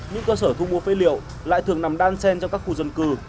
những cơ sở thu mua phế liệu lại thường nằm đan sen trong các khu dân cư